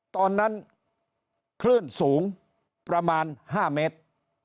ตอนนั้นคลื่นสูงประมาณ๕เมตร